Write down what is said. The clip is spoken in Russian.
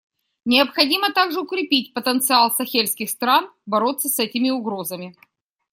Необходимо также укрепить потенциал сахельских стран бороться с этими угрозами.